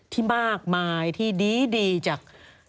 ที่มากมายที่ดีจาก